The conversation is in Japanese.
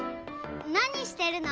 なにしてるの？